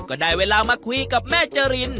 ก็ได้เวลามาคุยกับแม่เจริน